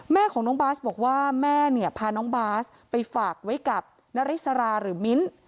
แม่ของน้องบาสบอกว่าแม่เนี่ยพาน้องบาสไปฝากไว้กับนาริสราหรือมิ้น